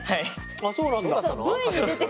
あっそうなんだ。